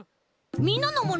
みなのもの